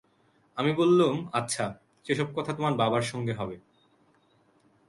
আমি বললুম, আচ্ছা, সে-সব কথা তোমার বাবার সঙ্গে হবে।